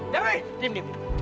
diam diam diam